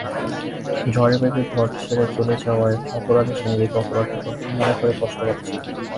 ঝড়ের বেগে ঘর ছেড়ে চলে যাওয়ার অপরাধে সে নিজেকে অপরাধী করে কষ্ট পাচ্ছে।